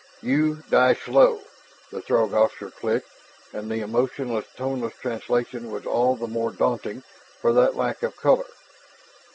"You die slow " The Throg officer clicked, and the emotionless, toneless translation was all the more daunting for that lack of color.